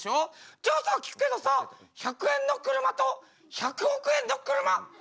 「じゃあさ聞くけどさ１００円の車と１００億円の車どっちが好き？」。